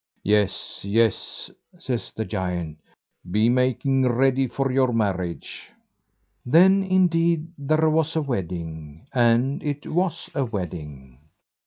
"Yes, yes!" says the giant, "be making ready for your marriage." Then, indeed, there was a wedding, and it was a wedding!